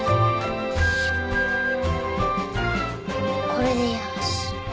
これでよし。